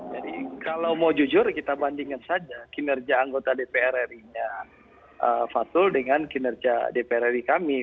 jadi kalau mau jujur kita bandingkan saja kinerja anggota dpr ri nya fatul dengan kinerja dpr ri kami